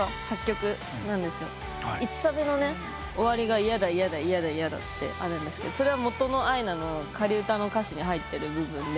１サビの終わりが「嫌だ嫌だ嫌だ嫌だ」ってそれは元のアイナの仮歌の歌詞に入ってる部分で。